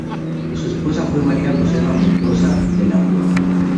Su esposa fue María Josefa Mendoza de la Rúa.